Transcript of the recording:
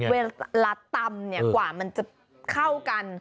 เวลาตำเนี่ยกว่ามันจะเข้ากัน